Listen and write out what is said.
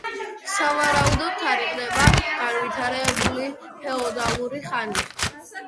სავარაუდოდ თარიღდება განვითარებული ფეოდალური ხანით.